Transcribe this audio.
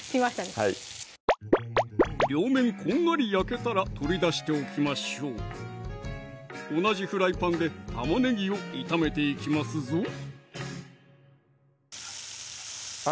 はい両面こんがり焼けたら取り出しておきましょう同じフライパンで玉ねぎを炒めていきますぞあっ